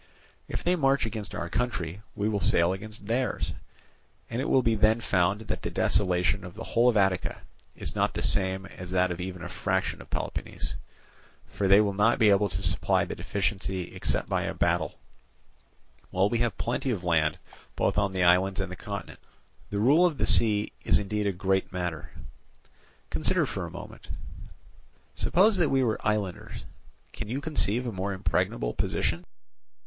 If they march against our country we will sail against theirs, and it will then be found that the desolation of the whole of Attica is not the same as that of even a fraction of Peloponnese; for they will not be able to supply the deficiency except by a battle, while we have plenty of land both on the islands and the continent. The rule of the sea is indeed a great matter. Consider for a moment. Suppose that we were islanders; can you conceive a more impregnable position?